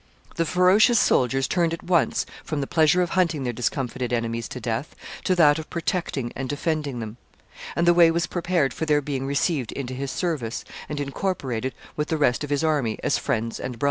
The ferocious soldiers turned at once from the pleasure of hunting their discomfited enemies to death, to that of protecting and defending them; and the way was prepared for their being received into his service, and incorporated with the rest of his army as friends and brothers.